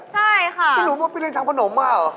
ใช่ค่ะพี่รู้ว่าพี่เรียนทำผนมป่าวเหรอ